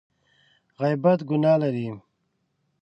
غیبت ګناه لري !